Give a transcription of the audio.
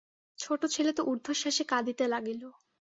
ছোটো ছেলে তো ঊর্ধ্বশ্বাসে কাঁদিতে লাগিল।